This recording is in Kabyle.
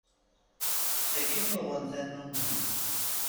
Akken uɣen tanumi.